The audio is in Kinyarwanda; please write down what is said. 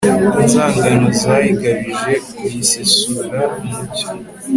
inzangano zayigabije, uyisesure umucyo